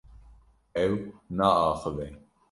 Ew naaxive.